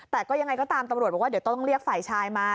แต่ก็ยังไงก็ตามตำรวจบอกว่าเดี๋ยวต้องเรียกฝ่ายชายมา